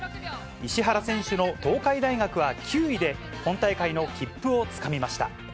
石原選手の東海大学は９位で、本大会の切符をつかみました。